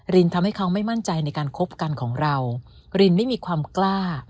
รินทำให้เขาไม่มั่นใจในการคบกันของเรารินไม่มีความกล้า